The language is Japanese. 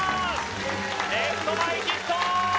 レフト前ヒット！